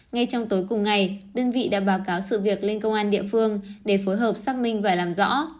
ngay trong tối cùng ngày đơn vị đã báo cáo sự việc lên công an địa phương để phối hợp xác minh và làm rõ